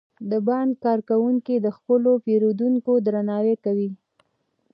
د بانک کارکوونکي د خپلو پیرودونکو درناوی کوي.